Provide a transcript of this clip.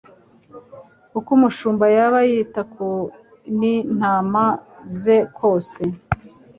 Uko umushumba yaba yita kn ntama ze kose,